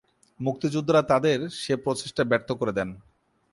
মুক্তিযোদ্ধারা তাদের সে প্রচেষ্টা ব্যর্থ করে দেন।